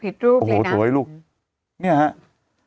ผิดรูปเลยนะโถยลูกนี่นะครับ